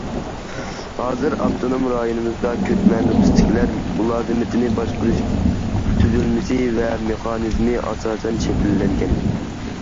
ھازىر، ئاپتونوم رايونىمىزدا كۆچمە نوپۇستىكىلەر مۇلازىمىتىنى باشقۇرۇش تۈزۈلمىسى ۋە مېخانىزمى ئاساسەن شەكىللەنگەن.